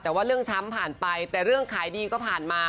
แต่ว่าเรื่องช้ำผ่านไปแต่เรื่องขายดีก็ผ่านมา